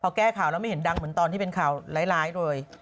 พอแก้ข่าวแล้วไม่เห็นดังเหมือนตอนที่เป็นข่าวร้ายเลย